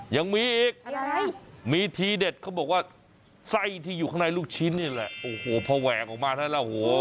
ยังมีอีกมีทีเด็ดเขาบอกว่าไส้ที่อยู่ข้างในลูกชิ้นนี่แหละโอ้โหพอแหวกออกมาแล้วโห